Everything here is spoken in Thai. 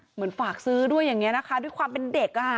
เหมือนฝากซื้อด้วยอย่างนี้นะคะด้วยความเป็นเด็ก